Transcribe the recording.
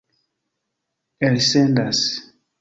elsendas